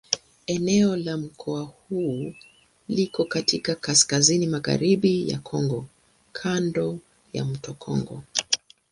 Eneo la mkoa huu liko katika kaskazini-magharibi ya Kongo kando ya mto Kongo.